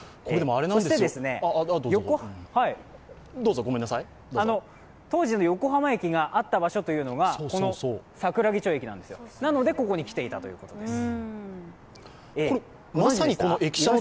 そして当時の横浜駅があった場所というのが、この桜木町駅なんですなのでここに来ていたということです。